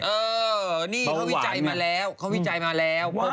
เออนี่เขาวิจัยมาแล้วว่า